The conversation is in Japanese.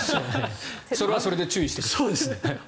それはそれで注意してください。